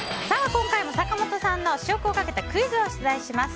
今回も坂本さんの試食をかけたクイズを出題します。